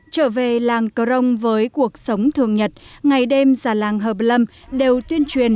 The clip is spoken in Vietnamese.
trở về làng kersau với cuộc sống thường nhật ngày đêm già làng hợp lâm đều tuyên truyền